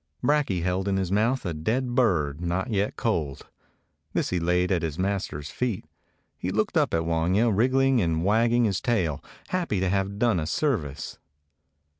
Brakje held in his mouth a dead bird, not yet cold. This he laid at his master's feet. He looked up at Wanya, wriggling and wag ging his tail, happy at having done a service.